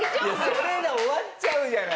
それじゃ終わっちゃうじゃない！